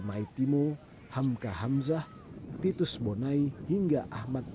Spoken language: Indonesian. karena pernah memiliki kemampuan untuk berkumpul di yogyakarta sore tadi